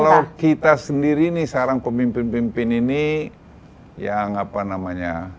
kalau kita sendiri nih sekarang pemimpin pemimpin ini yang apa namanya